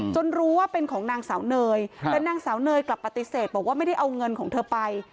รู้ว่าเป็นของนางสาวเนยแต่นางสาวเนยกลับปฏิเสธบอกว่าไม่ได้เอาเงินของเธอไป